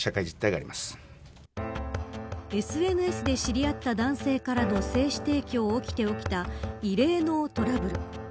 ＳＮＳで知り合った男性からの精子提供で起きた異例のトラブル。